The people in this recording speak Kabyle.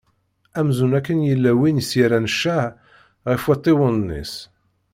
Amzun akken yella win s-yerran ccac ɣef waṭṭiwen-is.